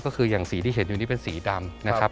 ก็คืออย่างสีที่เห็นอยู่นี่เป็นสีดำนะครับ